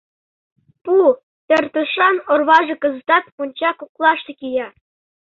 Пу тыртышан орваже кызытат монча коклаште кия.